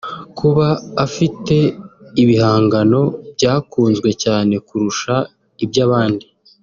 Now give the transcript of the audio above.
kuba afite ibihangano byakunzwe cyane kurusha iby’abandi